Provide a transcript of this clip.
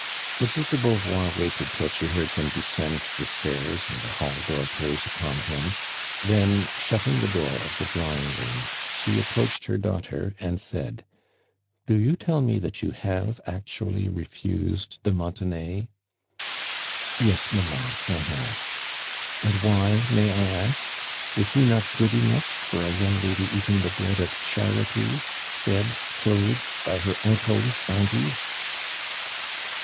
Mrs. do Beauvoir waited till the heard liim descend the staii a and tho hull door close upon him, then, shutting tho door of tlic drawing room, sho apjiroached her daughtt r and said :" Do you tell me that you have actually lofused do Montenay '!'' ''Yes, mamma, 1 have." "And why may I ask? Is he not good enough for a young lady eating the bread of charity — fed, clothed by her uncle's boun ty